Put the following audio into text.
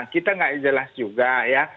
kita nggak jelas juga ya